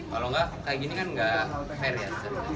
kalau enggak kayak gini kan nggak fair ya